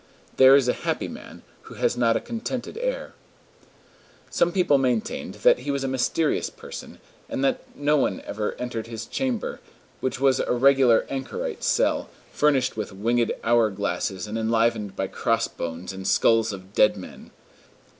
There is a happy man who has not a contented air." Some people maintained that he was a mysterious person, and that no one ever entered his chamber, which was a regular anchorite's cell, furnished with winged hour glasses and enlivened by cross bones and skulls of dead men!